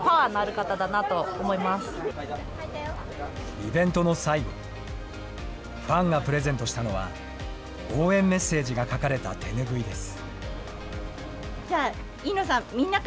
イベントの最後、ファンがプレゼントしたのは、応援メッセージが書かれた手拭いです。